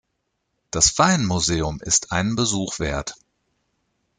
Das Weinmuseum ist einen Besuch wert.